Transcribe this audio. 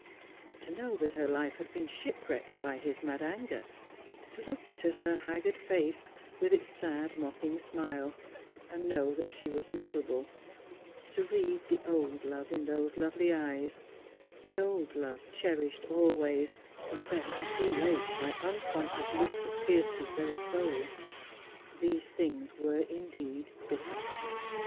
But to know that her life had been shipwrecked by his mad anger — to look into her haggard face, with its sad mocking smile, and know that she was miserable— to read the old love in those lovely eyes, the old love cherished always, confessed too late by unconscious looks that pierced his very soul — these things were indeed bitter.